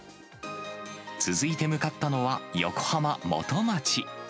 続いて向かったのは横浜・元町。